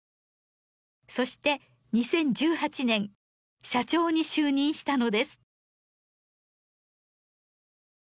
そして２０１８年社長に就任したのです。